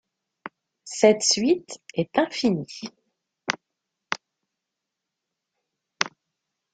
Cette suite est infinie.